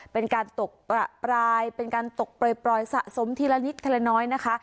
เป็นการตกประปรายเป็นการตกปล่อยสะสมทีละนิดทีละน้อยนะคะ